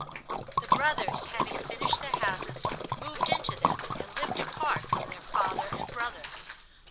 The brothers, having finished their houses, moved into them and lived apart from their father and brother.